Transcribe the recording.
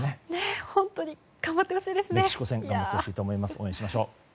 本当に頑張ってほしいですね。